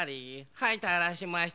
はいたらしました。